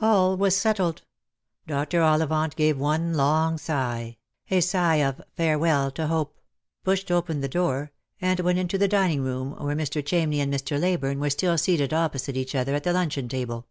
All was settled. Dr. Ollivant gave one long sigh — a sigh of farewell to hope — pushed open the door, and went into the dining room, where Mr. Chamney and Mr. Leyburne were still seated opposite each other at the luncheon table.